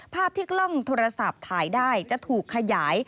ภาพที่กล้องโทรศัพท์ถ่ายได้จะถูกขยาย